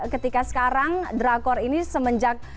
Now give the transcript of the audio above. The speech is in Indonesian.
ketika sekarang drakor ini semenjak